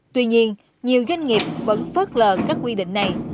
tuy nhiên nhiều doanh nghiệp vẫn phớt lờ các quy định này